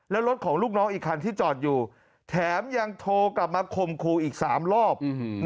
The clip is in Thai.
แล้วรถของลูกน้องอีกคันที่จอดอยู่แถมยังโทรกลับมาคมครูอีก๓รอบ